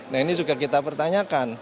nah ini juga kita pertanyakan